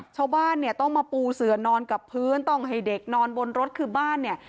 ชาวบ้านเนี่ยต้องมาปูเสือนอนกับพื้นต้องให้เด็กนอนบนรถคือบ้านเนี่ย